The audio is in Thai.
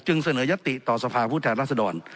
จึงเสนอยติต่อสภาพผู้แทนราศดรณ์